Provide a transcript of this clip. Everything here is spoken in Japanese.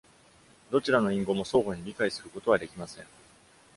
どちらの隠語も相互に理解することはできません。